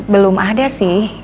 belum ada sih